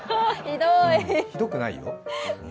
ひどくないよ。